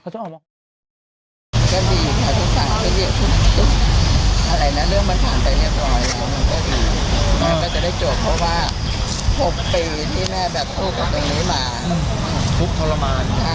จากเดี๋ยวตั้งใจจะรอเมืองเที่ยวดีกว่าที่เรือนจำ